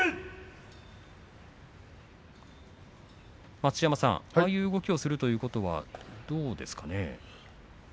待乳山さん、ああいう動きをするということは、どうですか。